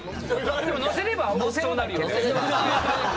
でも乗せればそうなるよね。